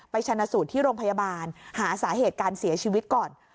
ชนะสูตรที่โรงพยาบาลหาสาเหตุการเสียชีวิตก่อน